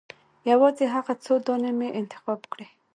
یوازې هغه څو دانې مې انتخاب کړې.